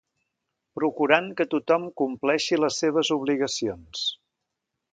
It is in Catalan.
Procurant que tothom compleixi les seves obligacions.